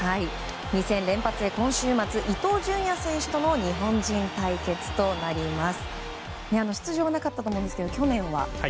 ２戦連発へ今週末、伊東純也選手との日本人対決となります。